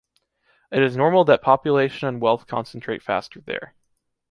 It is normal that population and wealth concentrate faster there.